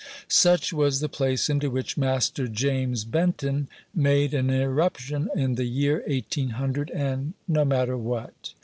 Such was the place into which Master James Benton made an irruption in the year eighteen hundred and no matter what.